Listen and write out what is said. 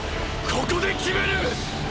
ここで決める！！